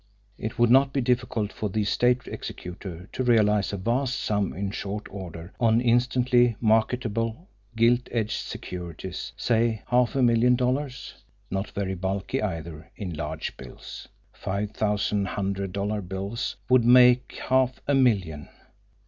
It would not be difficult for the estate's executor to realise a vast sum in short order on instantly marketable, gilt edged securities say, half a million dollars. Not very bulky, either in large bills! Five thousand hundred dollar bills would make half a million.